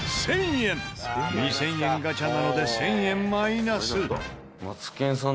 ２０００円ガチャなので１０００円マイナス。